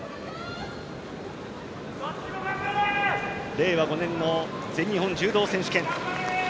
令和５年の全日本柔道選手権。